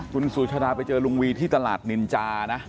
คุณสุชาดาไปเจอลุงวีที่ตลาดนินจานะ